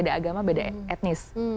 beda agama beda etnis